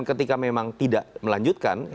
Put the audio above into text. ketika memang tidak melanjutkan